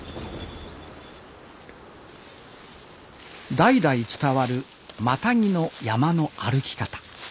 代々伝わるマタギの山の歩き方。